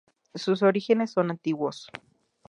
Sus orígenes son antiguos.